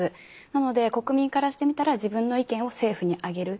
なので国民からしてみたら自分の意見を政府にあげる。